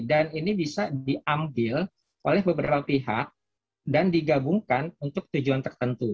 dan ini bisa diambil oleh beberapa pihak dan digabungkan untuk tujuan tertentu